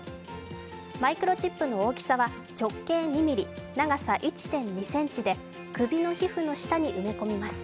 マイクロチップの大きさは直径３ｍｍ、長さ１．２ｃｍで首の皮膚の下に埋め込みます。